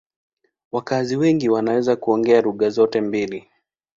Wakazi wengi wanaweza kuongea lugha zote mbili.